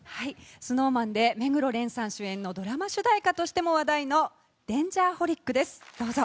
ＳｎｏｗＭａｎで目黒蓮さん主演のドラマ主題歌としても話題の「Ｄａｎｇｅｒｈｏｌｉｃ」ですどうぞ。